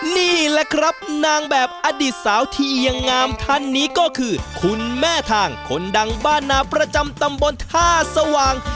นี่แหละครับนางแบบอดีตสาวที่เอียงงามท่านนี้ก็คือคุณแม่ทางคนดังบ้านนาประจำตำบลท่าสว่าง